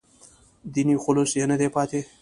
دیني خلوص یې نه دی پاتې.